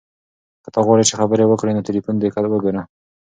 که ته غواړې چې خبرې وکړو نو تلیفون دې ته وګوره.